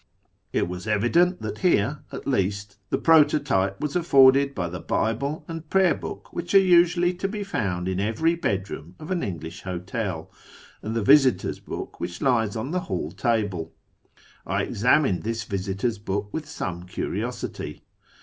It was evident that here, at least, the prototype was afforded by the Bible and prayer book which are usually to be found in every bedroom of an English hotel, and the visitors' book which lies on the hall table. I examined this visitors' book with some curiosity.